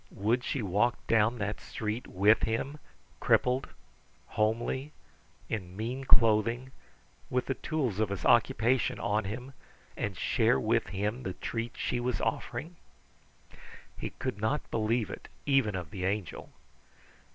Would she walk down that street with him, crippled, homely, in mean clothing, with the tools of his occupation on him, and share with him the treat she was offering? He could not believe it, even of the Angel.